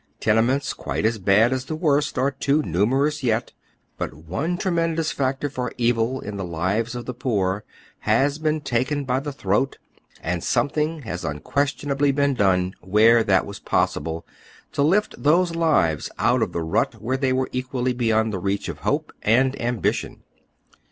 Tene ments quite as bad as the worst are too numerous yet; but one tremendous factor for evil in the lives of the poor has been taken by the throat, and something has unquestionably been done, where that was possible, to lift tliose lives out of the rut where they were equally beyond tlie reach of hope and of ambition.